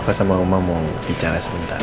papa sama mama mau bicara sebentar